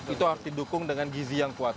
itu harus didukung dengan gizi yang kuat